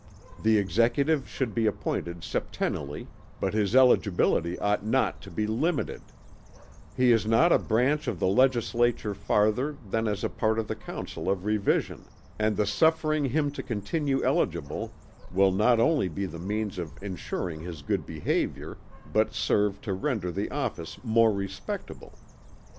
"The executive should be appointed septennially, but his eligibility ought not to be limited: He is not a branch of the legislature farther, than as a part of the council of revision; and the suffering him to continue eligible will not only be the means of ensuring his good behavior, but serve to render the office more respectable.